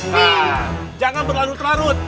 dan jangan berlarut larut